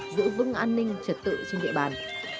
giữ vững an ninh trật tự trên địa bàn